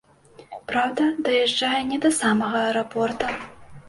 Праўда, даязджае не да самога аэрапорта.